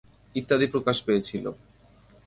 ইত্যাদি প্ৰকাশ পেয়েছিল।